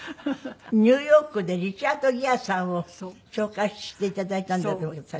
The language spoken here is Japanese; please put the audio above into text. ニューヨークでリチャード・ギアさんを紹介して頂いたんだけど私。